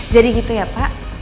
jadi gitu ya pak